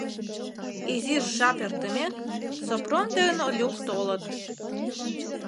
Изиш жап эртымек, Сопром ден Олюк толыт.